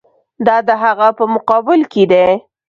دا د هغه په مقابل کې دي.